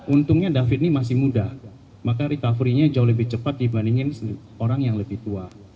untungnya david ini masih muda maka recovery nya jauh lebih cepat dibandingin orang yang lebih tua